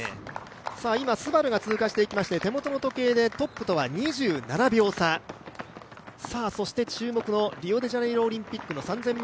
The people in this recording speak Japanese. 今、ＳＵＢＡＲＵが通過してトップとは２７秒差、そして、注目のリオデジャネイロオリンピックの３０００ｍ